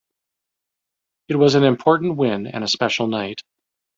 It was an important win and a special night.